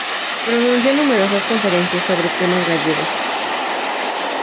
Pronuncia numerosas conferencias sobre temas gallegos.